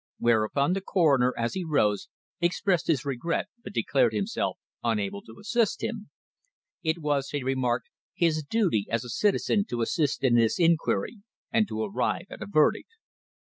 Whereupon the coroner, as he rose, expressed his regret but declared himself unable to assist him. It was, he remarked, his duty as a citizen to assist in this inquiry, and to arrive at a verdict.